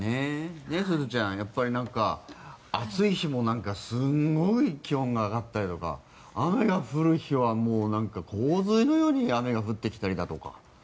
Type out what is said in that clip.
すずちゃん、暑い日もなんかすごい気温が上がったりだとか雨が降る日は洪水のように雨が降ってきたりだとか。